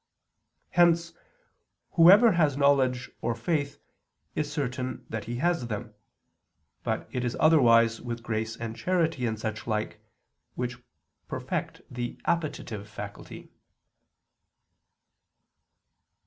Hence, whoever has knowledge or faith is certain that he has them. But it is otherwise with grace and charity and such like, which perfect the appetitive faculty.